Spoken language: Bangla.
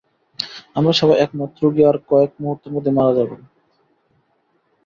আমরা সবাই একমত, রোগী আর কয়েক মুহূর্তের মধ্যেই মারা যাবেন।